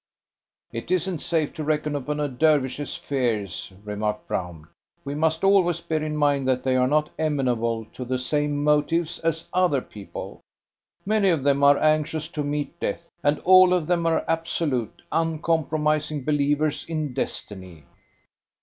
"It isn't safe to reckon upon a Dervish's fears," remarked Brown. "We must always bear in mind that they are not amenable to the same motives as other people. Many of them are anxious to meet death, and all of them are absolute, uncompromising believers in destiny.